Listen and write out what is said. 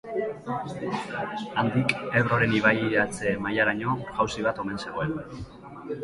Handik, Ebroren ibairatze-mailaraino ur-jauzi bat omen zegoen.